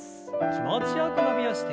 気持ちよく伸びをして。